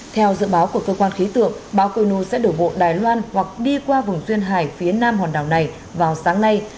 theo dự báo của cơ quan khí tượng bão koi nu sẽ đổ bộ đài loan hoặc đi qua vùng duyên hải phía nam hòn đảo này vào sáng nay